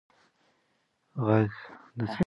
ږغ